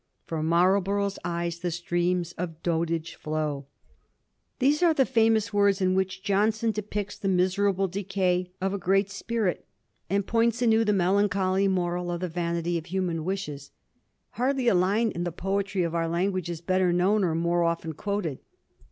From Marlborough's eyes the streams of dotage flow. These are the famous words in which Johnson depicts the miserable decay of a great spirit, and points anew Digiti zed by Google 1721 22 MARLBOROUGH'S CLOSING DAYS. 273 the melancholy moral of the vanity of human wishes. Hardly a line in the poetry of our language is better known or more often quoted.